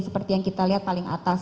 seperti yang kita lihat paling atas